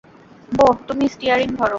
বোহ, তুমি স্টিয়ারিং ধর।